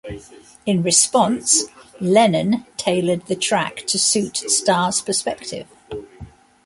In response, Lennon tailored the track to suit Starr's perspective.